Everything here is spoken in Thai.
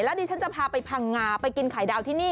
ดิฉันจะพาไปพังงาไปกินไข่ดาวที่นี่